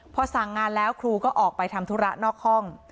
พอสั่งงานแล้วครูก็ออกไปทำธุระนอกห้อง